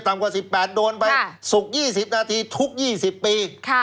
ต่ำกว่าสิบแปดโดนไปค่ะสุกยี่สิบนาทีทุกยี่สิบปีค่ะ